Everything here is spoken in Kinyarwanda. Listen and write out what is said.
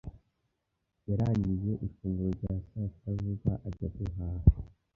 Yarangije ifunguro rya saa sita vuba ajya guhaha.